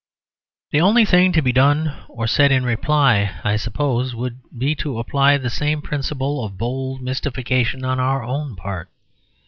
The only thing to be done or said in reply, I suppose, would be to apply the same principle of bold mystification on our own part.